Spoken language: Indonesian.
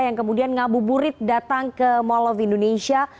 yang kemudian ngabuburit datang ke mall of indonesia